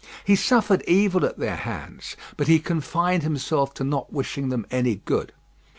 He suffered evil at their hands; but he confined himself to not wishing them any good.